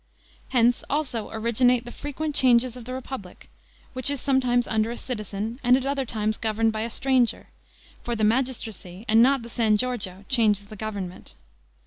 Hence also originate the frequent changes of the republic, which is sometimes under a citizen, and at other times governed by a stranger; for the magistracy, and not the San Giorgio, changes the government.